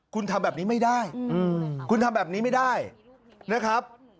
คุณทำแบบนี้ไม่ได้คุณทำแบบนี้ไม่ได้นะครับ